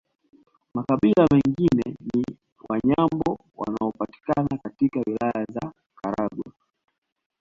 Makabila mengine ni Wanyambo wanaopatikana katika Wilaya za Karagwe